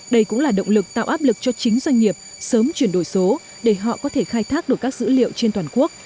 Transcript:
đây cũng là động lực tạo áp lực cho chính doanh nghiệp sớm chuyển đổi số để họ có thể khai thác được các dữ liệu trên toàn quốc